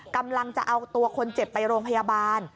กำลังจะเอาตัวคนเจ็บไปโรงพยาบาล